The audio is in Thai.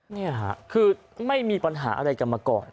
นี่ค่ะคือไม่มีปัญหาอะไรกันมาก่อน